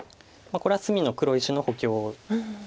これは隅の黒石の補強です。